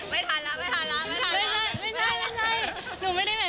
ไม่ทันละไม่ทันละไม่ทันละ